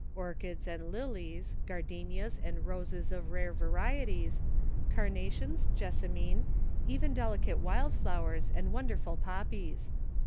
Orchids and lilies, gardenias and roses of rare varieties, cama tions, jessamine, even delicate wild flowers and won derful poppies.